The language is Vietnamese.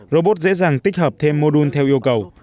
robot dễ dàng tích hợp thêm mô đun theo yêu cầu